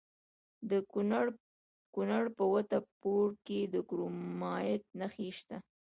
د کونړ په وټه پور کې د کرومایټ نښې شته.